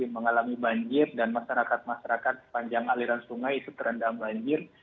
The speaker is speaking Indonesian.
mengalami banjir dan masyarakat masyarakat sepanjang aliran sungai itu terendam banjir